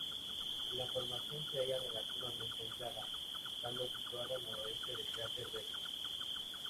La formación se halla relativamente aislada, estando situada al noreste del cráter Bessel.